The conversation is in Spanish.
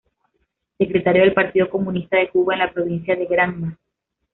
Secretario del Partido Comunista de Cuba en la provincia de Granma.